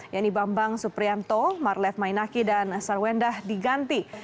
yanni bambang suprianto marlet mainaki dan sarwenda diganti